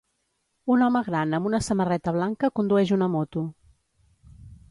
Un home gran amb una samarreta blanca condueix una moto.